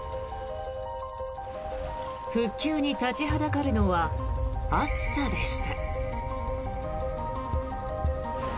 復旧に立ちはだかるのは暑さでした。